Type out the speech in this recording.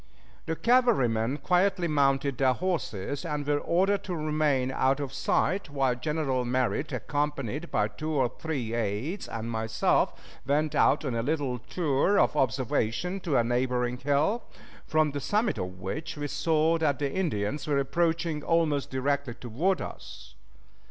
The cavalrymen quietly mounted their horses and were ordered to remain out of sight, while General Merritt, accompanied by two or three aids and myself, went out on a little tour of observation to a neighboring hill, from the summit of which we saw that the Indians were approaching almost directly toward us.